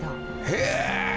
へえ。